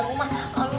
bertanggung jawab iya